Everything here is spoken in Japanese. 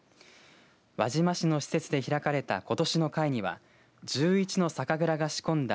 輪島市の施設で開かれたことしの会には１１の酒蔵が仕込んだ